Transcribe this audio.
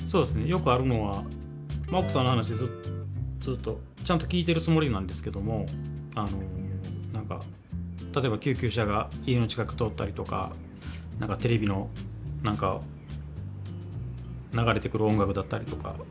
よくあるのは奥さんの話ずっとちゃんと聞いてるつもりなんですけども何か例えば救急車が家の近く通ったりとか何かテレビの流れてくる音楽だったりとか